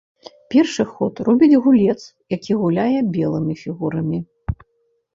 Першы ход робіць гулец, які гуляе белымі фігурамі.